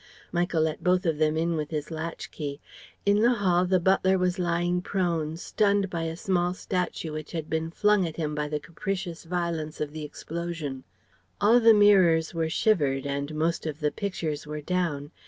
Michael let both of them in with his latch key. In the hall the butler was lying prone, stunned by a small statue which had been flung at him by the capricious violence of the explosion. All the mirrors were shivered and most of the pictures were down.